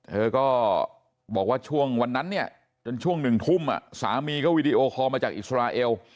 เธอก็บอกว่าช่วงวันนั้นเนี่ยจนช่วงหนึ่งทุ่มสามีก็วีดีโอคอลมาจากอิสราเอล